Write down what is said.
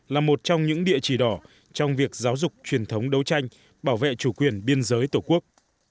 là một trong những địa chỉ đỏ trong việc giáo dục truyền thống đấu tranh bảo vệ chủ quyền biên giới tổ quốc